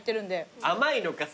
甘いのか？